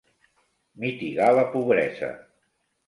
Mitigar la pobresa.